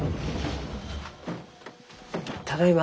ただいま。